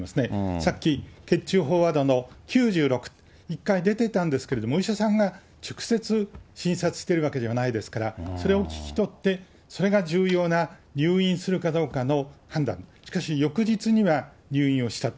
さっき血中飽和度の９６、一回出てたんですけども、お医者さんが直接診察してるわけではないですから、それを聞き取って、それが重要な入院するかどうかの判断、しかし翌日には入院をしたと。